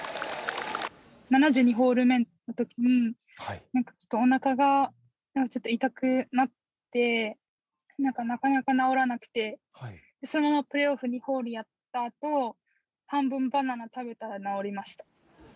７２ホール目のときに、なんかちょっと、おなかが痛くなって、なかなか治らなくて、そのままプレーオフ２ホールやったあと、半分バナナ食べたら治りました。